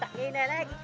tak kena lagi